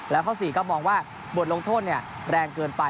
แล้วข้อ๔ก็มองว่าบทลงโทษแรงเกินไป